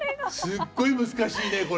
すっごい難しいねこれ。